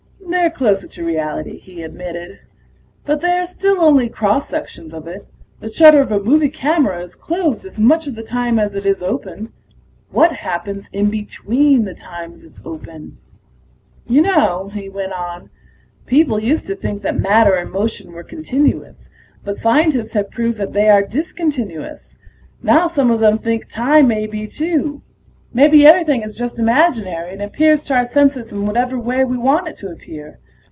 "They're closer to reality," he admitted. "But they are still only cross sections of it. The shutter of a movie camera is closed as much of the time as it is open. What happens in between the times it's open? "You know," he went on, "people used to think matter and motion were continuous, but scientists have proved that they are discontinuous. Now some of them think time may be, too. Maybe everything is just imaginary, and appears to our senses in whatever way we want it to appear.